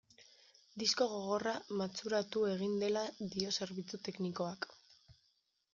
Disko gogorra matxuratu egin dela dio zerbitzu teknikoak.